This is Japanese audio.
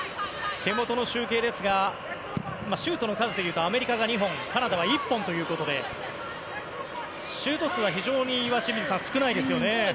手元の集計ですがシュートの数でいうとアメリカが２本カナダは１本ということでシュート数は非常に岩清水さん、少ないですよね。